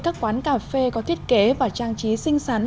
các quán cà phê có thiết kế và trang trí xinh xắn